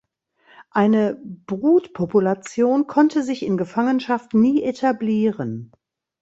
Eine Brutpopulation konnte sich in Gefangenschaft nie etablieren.